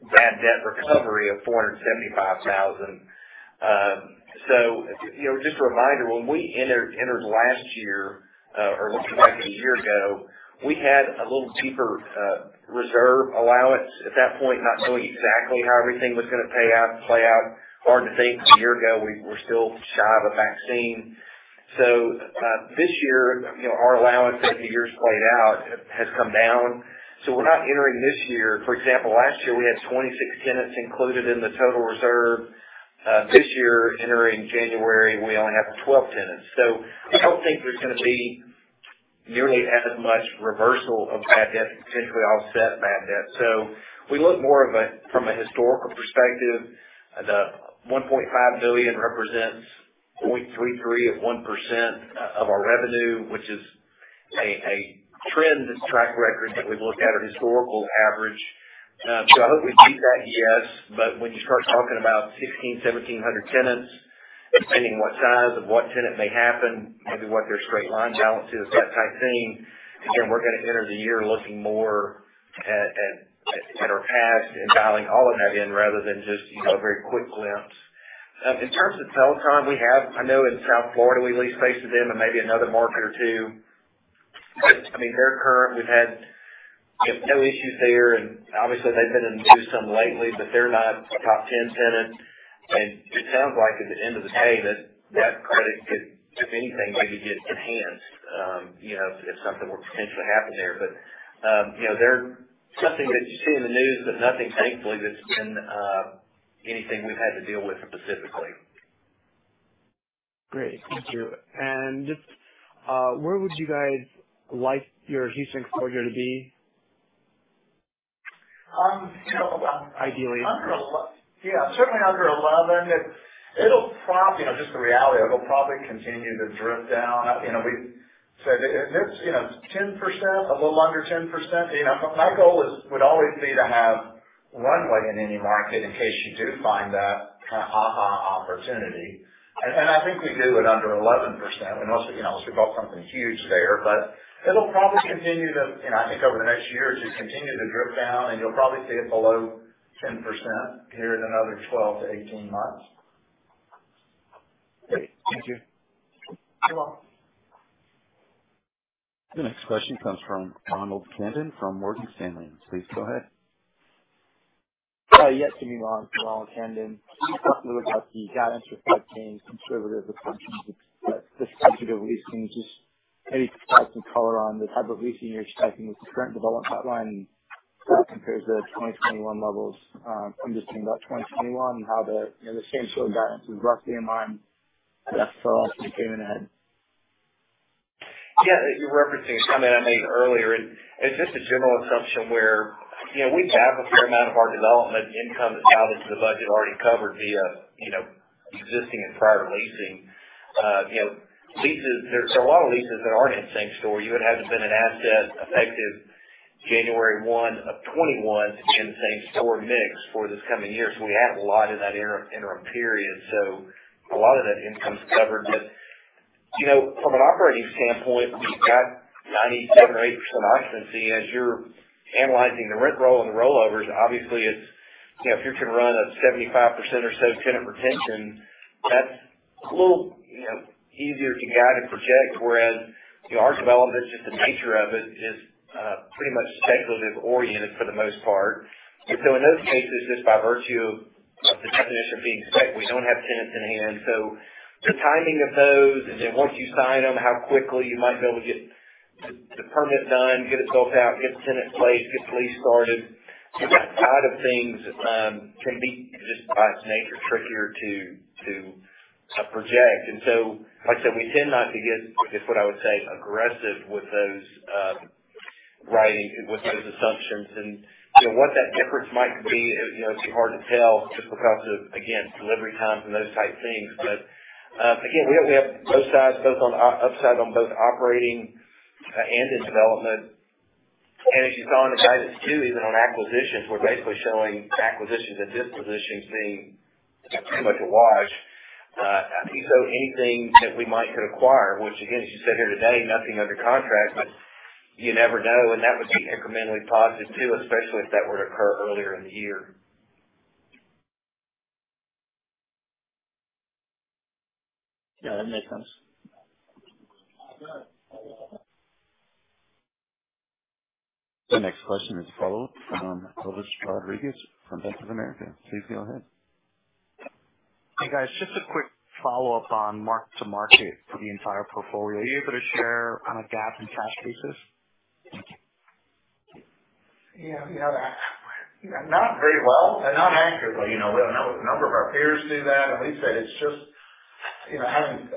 a bad debt recovery of $475,000. So, you know, just a reminder, when we entered last year, or looking back a year ago, we had a little deeper reserve allowance at that point, not knowing exactly how everything was gonna play out. Hard to think a year ago, we were still shy of a vaccine. This year, you know, our allowance as the years played out has come down. We're not entering this year. For example, last year we had 26 tenants included in the total reserve. This year, entering January, we only have 12 tenants. I don't think there's gonna be nearly as much reversal of bad debt to potentially offset bad debt. We look more from a historical perspective. The $1.5 million represents 0.33% of our revenue, which is a trend, this track record that we look at, our historical average. I hope we keep that, yes. When you start talking about 1,600-1,700 tenants, depending what size of what tenant may happen, maybe what their straight line balance is, that type thing, again, we're gonna enter the year looking more at our past and dialing all of that in rather than just, you know, a very quick glimpse. In terms of Peloton, we have, I know in South Florida, we lease space to them and maybe another market or two. I mean, they're current. We've had, you know, no issues there. Obviously they've been in the news some lately, but they're not a top ten tenant. It sounds like at the end of the day that credit could, if anything, maybe get enhanced, you know, if something were to potentially happen there. You know, they're something that you see in the news, but nothing thankfully that's been, anything we've had to deal with specifically. Great. Thank you. Just, where would you guys like your leasing exposure to be? You know. Ideally. Under 11. Yeah, certainly under 11. It'll probably, you know, just the reality of it, it'll probably continue to drift down. You know, we said if it's, you know, 10%, a little under 10%, you know. My goal would always be to have runway in any market in case you do find that kinda aha opportunity. I think we do at under 11%, unless, you know, unless we bought something huge there. It'll probably continue to, you know, I think over the next year, just continue to drift down, and you'll probably see it below 10% here in another 12 to 18 months. Great. Thank you. You're welcome. The next question comes from Ronald Kamdem from Morgan Stanley. Please go ahead. Yes. Ronald Kamdem. Talking about the guidance for 15, conservative assumptions, but the sensitive leasing, just maybe provide some color on the type of leasing you're expecting with the current development pipeline that compares to 2021 levels. I'm just thinking about 2021 and how the, you know, the same store guidance was roughly in mind as far as what's coming in. Yeah. You're referencing a comment I made earlier, and it's just a general assumption where, you know, we have a fair amount of our development income that's out into the budget already covered via, you know, existing and prior leasing. You know, leases, there's a lot of leases that aren't in same store. Even having been an asset effective January 1, 2021 in the same store mix for this coming year. We have a lot in that interim period. A lot of that income's covered. You know, from an operating standpoint, we've got 97% or 98% occupancy. As you're analyzing the rent roll and the rollovers, obviously it's, you know, if you're gonna run a 75% or so tenant retention, that's a little, you know, easier to guide and project, whereas, you know, our development, just the nature of it is pretty much speculative oriented for the most part. In those cases, just by virtue of the definition being spec, we don't have tenants in hand. The timing of those, and then once you sign them, how quickly you might be able to get the permit done, get it built out, get the tenants placed, get the lease started. That side of things can be just by its nature trickier to project. Like I said, we tend not to get just what I would say, aggressive with those assumptions. You know, what that difference might be, you know, it's hard to tell just because of, again, delivery times and those type things. Again, we have both sides, both on upside on both operating and in development. As you saw in the guidance too, even on acquisitions, we're basically showing acquisitions and dispositions being pretty much a wash. So anything that we might could acquire, which again, as you said here today, nothing under contract, but you never know. That would be incrementally positive too, especially if that were to occur earlier in the year. Yeah, that makes sense. The next question is a follow-up from Elvis Rodriguez from Bank of America. Please go ahead. Hey, guys, just a quick follow-up on mark-to-market for the entire portfolio. Are you able to share on a GAAP and cash basis? Yeah, yeah. Not very well and not accurately. You know, we have a number of our peers do that, and we said it's just, you know,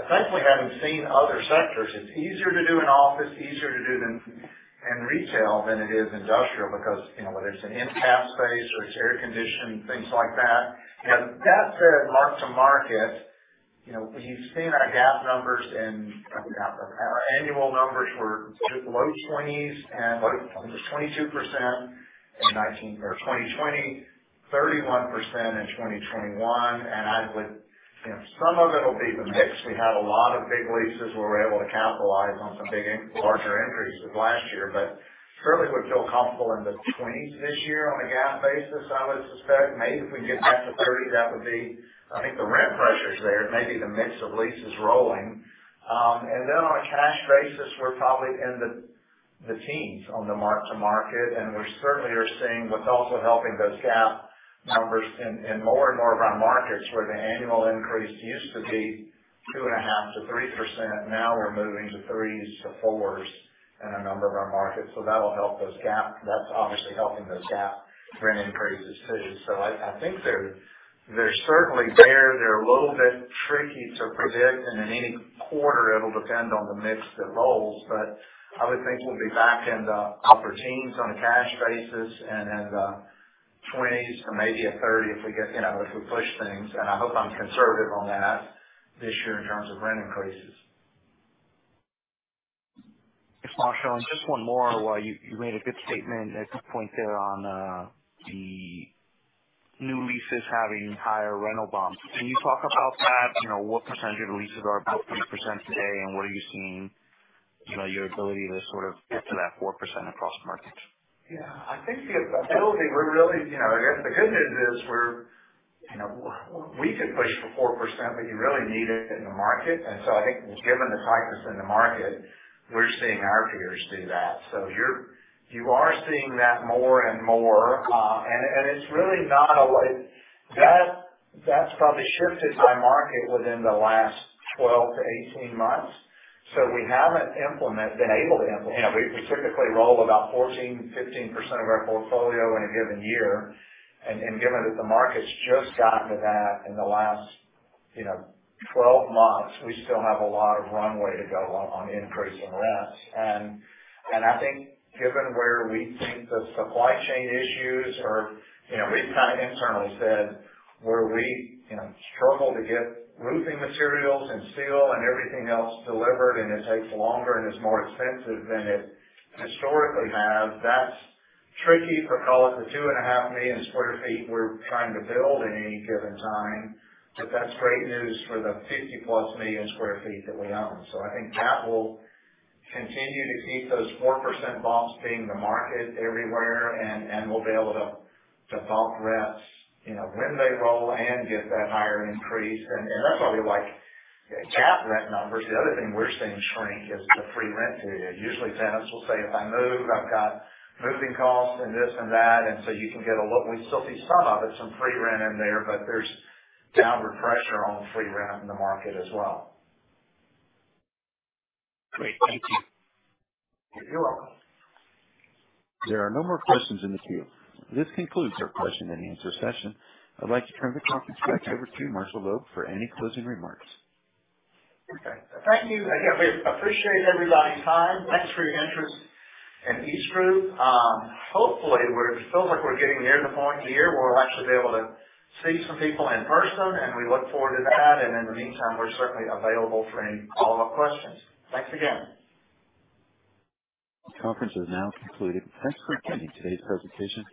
thankfully, having seen other sectors, it's easier to do in office, easier to do than in retail than it is industrial because, you know, whether it's an infill space or it's air-conditioned, things like that. You know, that said, mark-to-market, you know, you've seen our GAAP numbers and our annual numbers were low 20%s. It was 22% in 2019 or 2020, 31% in 2021. You know, some of it'll be the mix. We had a lot of big leases where we're able to capitalize on some larger increases last year, but certainly would feel comfortable in the 20%s this year on a GAAP basis, I would suspect. Maybe if we can get back to 30%, that would be. I think the rent pressure is there. Maybe the mix of leases rolling. And then on a cash basis, we're probably in the teens on the mark-to-market, and we certainly are seeing what's also helping those GAAP numbers in more and more of our markets where the annual increase used to be 2.5%-3%, now we're moving to 3%-4% in a number of our markets. So that'll help those GAAP. That's obviously helping those GAAP rent increases too. So I think they're certainly there. They're a little bit tricky to predict, and in any quarter it'll depend on the mix, the rolls. I would think we'll be back in the upper teens on a cash basis and in the 20%s to maybe 30% if we get, you know, if we push things, and I hope I'm conservative on that this year in terms of rent increases. Thanks, Marshall, and just one more while you made a good statement at some point there on the new leases having higher rental bumps. Can you talk about that? You know, what percentage of leases are about 3% today, and what are you seeing, you know, your ability to sort of get to that 4% across markets? Yeah, I think the ability we're really, you know, I guess the good news is we're, you know, we could push for 4%, but you really need it in the market. I think given the tightness in the market, we're seeing our peers do that. You are seeing that more and more, and it's really not alike. That's probably shifted by market within the last 12-18 months. We haven't been able to implement. You know, we typically roll about 14%, 15% of our portfolio in a given year. Given that the market's just gotten to that in the last, you know, 12 months, we still have a lot of runway to go on increasing rents. I think given where we think the supply chain issues are, you know, we've kind of internally said where we, you know, struggle to get roofing materials and steel and everything else delivered, and it takes longer and is more expensive than it historically have. That's tricky for call it the 2.5 million sq ft we're trying to build in any given time. That's great news for the 50+ million sq ft that we own. I think that will continue to keep those 4% bumps being the market everywhere, and we'll be able to bump rents, you know, when they roll and get that higher increase. That's why we like GAAP rent numbers. The other thing we're seeing shrink is the free rent period. Usually tenants will say, "If I move, I've got moving costs and this and that." We still see some of it, some free rent in there, but there's downward pressure on free rent in the market as well. Great. Thank you. You're welcome. There are no more questions in the queue. This concludes our question and answer session. I'd like to turn the conference back over to Marshall Loeb for any closing remarks. Okay. Thank you again. We appreciate everybody's time. Thanks for your interest in EastGroup. It feels like we're getting near the point here where we'll actually be able to see some people in person, and we look forward to that. In the meantime, we're certainly available for any follow-up questions. Thanks again. Conference is now concluded. Thanks for attending today's presentation.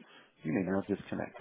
You may now disconnect.